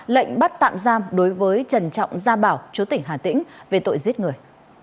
lệnh bắt tạm giam đối với trần trọng gia bảo chú tỉnh hà tĩnh về tội giết người